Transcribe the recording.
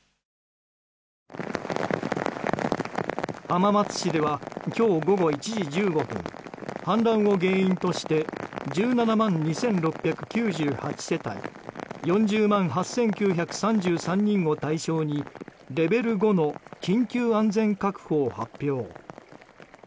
浜松市では今日午後１時１５分氾濫を原因として１７万２６９８世帯４０万８９３３人を対象にレベル５の緊急安全確保を発表。